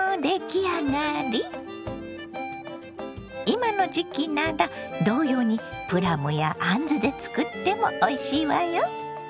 今の時期なら同様にプラムやあんずで作ってもおいしいわよ。